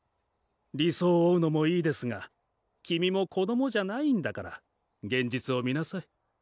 理想を追うのもいいですが君も子供じゃないんだから現実を見なさい。